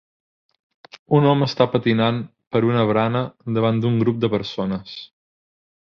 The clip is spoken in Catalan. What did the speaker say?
Un home està patinant per una barana davant d'un grup de persones.